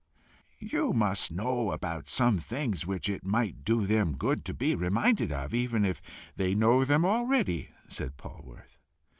"You must know about some things which it might do them good to be reminded of even if they know them already," said Polwarth.